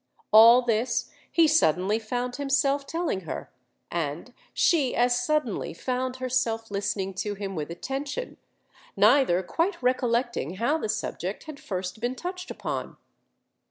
All this he suddenly found himself telling her; and she as suddenly found herself listening to him with attention,—neither quite recollecting how the subject had first been touched upon.